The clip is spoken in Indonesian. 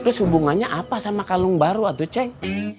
terus hubungannya apa sama kalung baru atau ceng